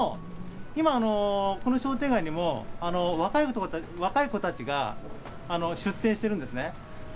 でも、今、この商店街にも若い子たちが出店してるんですね。